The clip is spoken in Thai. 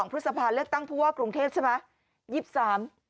๒๒พฤษภาเลขตั้งพูดว่ากรุงเทพฯใช่ไหม